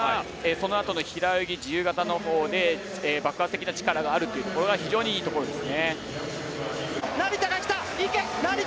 そのあとの平泳ぎ、自由形の方で爆発的な力があるというのが非常によいところです。